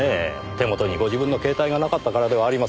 手元にご自分の携帯がなかったからではありませんか？